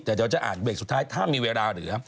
แต่เดี๋ยวจะอ่านเบรกสุดท้ายถ้ามีเวลาเหลือ